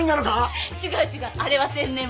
違う違うあれは天然物。